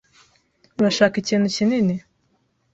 Urashaka ikintu kinini?